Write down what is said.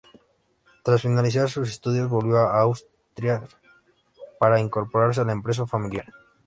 Tras finalizar sus estudios, volvió a Asturias para incorporarse a la empresa familiar.